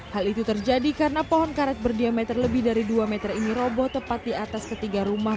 hal itu terjadi karena pohon karet berdiameter lebih dari dua meter ini roboh tepat di atas ketiga rumah